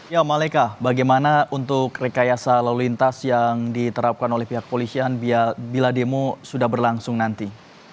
ya malaika bagaimana untuk rekayasa lalu lintas yang diterapkan oleh pihak polisian bila demo sudah berlangsung nanti